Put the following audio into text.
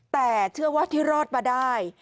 แต่เชื่อว่าที่รอดมาได้